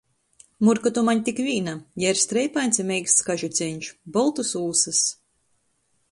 Murka to maņ tik vīna. Jai ir streipains i meiksts kažuceņš, boltys ūsys.